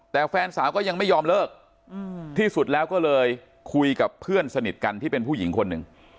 แต่แฟนสาวก็ยังไม่ยอมเลิกที่สุดแล้วก็เลยคุยกับเพื่อนสนิทกันที่เป็นผู้หญิงคนหนึ่ง